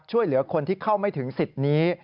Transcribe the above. ช่วยเหลือคนที่เข้าไม่ถึงสิทธิ์นี้